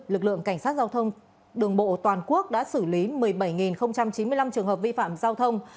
lực lượng cảnh sát giao thông đường bộ toàn quốc đã xử lý một mươi bảy chín mươi năm trường hợp vi phạm giao thông